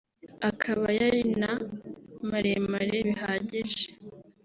akaba yari na maremare bihagije